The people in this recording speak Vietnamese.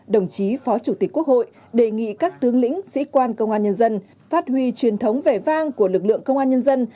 đồng chí phó chủ tịch quốc hội đề nghị các tướng lĩnh sĩ quan công an nhân dân phát huy truyền thống vẻ vang của lực lượng công an nhân dân